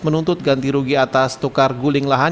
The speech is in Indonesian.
menuntut ganti rugi atas tukar guling lahan